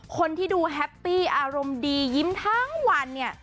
คนที่ดูแฮปปี้อารมณ์ดียิ้มทั้งวันเนี่ย